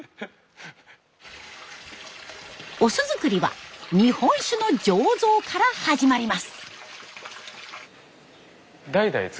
お酢造りは日本酒の醸造から始まります。